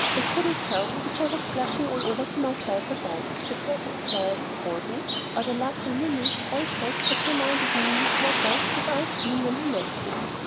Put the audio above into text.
I couldn't tell which I was blushing all to myself about, the "perfect flower" he had called me, or the "lovely lily" Alfred had reminded me in his letter that I had been when he left me.